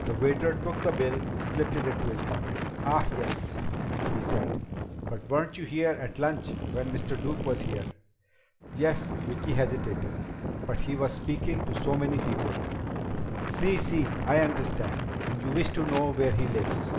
The waiter took the bill and slipped it into his pocket. "Ah, yes," he said. "But weren't you here at lunch when Mr. Duke was here?" "Yes " Vicki hesitated. "But he was speaking to so many people " "Sí, sí! I understand. And you wish to know where he lives?"